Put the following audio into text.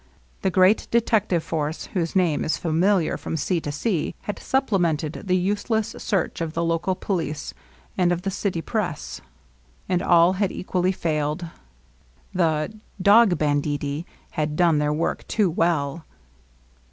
The great detective force, whose name is familiar from sea to sea^ had supplemented the useless search of the local police and of the city press. And all had equally failed. The ^Mog banditti " had done their work too well.